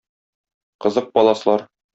Кызык паласлар